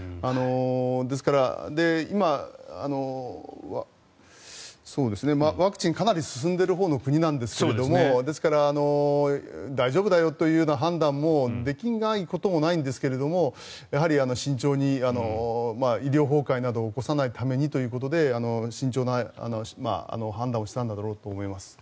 ですから、今ワクチンがかなり進んでいるほうの国なんですがですから大丈夫だよという判断もできないこともないんですがやはり慎重に、医療崩壊などを起こさないためにということで慎重な判断をしたんだろうと思います。